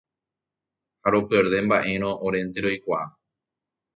Ha roperde mba'érõ orénte roikuaa.